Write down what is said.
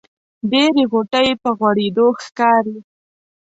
ډېرې غوټۍ په غوړېدو ښکاري.